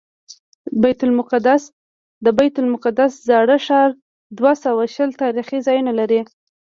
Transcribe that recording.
د بیت المقدس زاړه ښار دوه سوه شل تاریخي ځایونه لري.